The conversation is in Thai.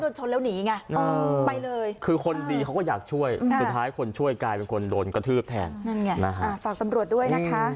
เดี๋ยวถ้าโดนชนแล้วหนีไงไปเลย